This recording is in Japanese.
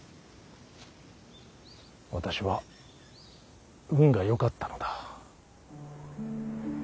私は運がよかったのだ。